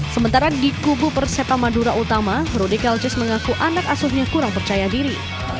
sementara di kubu persepam madura utama rudi kelcis mengaku anak asuhnya kurang percaya diri